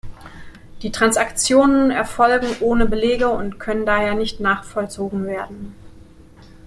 Die Transaktionen erfolgen ohne Belege und können daher nicht nachvollzogen werden.